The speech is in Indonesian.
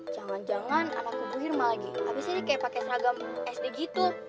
jangan jangan anak bu hirma lagi abis ini kayak pake seragam sd gitu